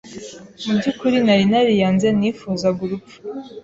mu byukuri nari nariyanze nifuzaga urupfu